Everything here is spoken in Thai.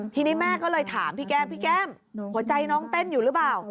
ทีนี้แม่ก็เลยถามพี่แก้มพี่แก้มหัวใจน้องเต้นอยู่หรือเปล่า